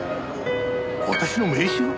私の名刺が？